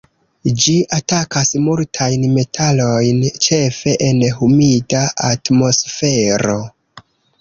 Ĝi atakas multajn metalojn ĉefe en humida atmosfero.